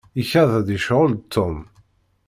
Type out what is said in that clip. Ikad-d icɣel-d Tom.